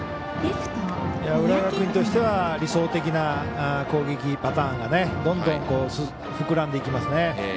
浦和学院としては理想的な攻撃パターンがどんどん膨らんでいきますね。